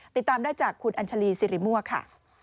ติดตามได้จากคุณอัญชาลีสิริมั่วค่ะ